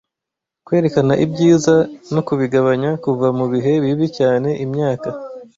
Kwerekana ibyiza no kubigabanya kuva mubihe bibi cyane imyaka,